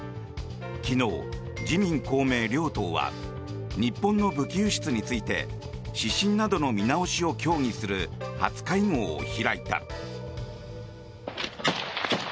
昨日、自民・公明両党は日本の武器輸出について指針などの見直しを協議する初会合を開いた。